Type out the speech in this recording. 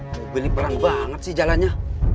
mobil ini perang banget sih jalannya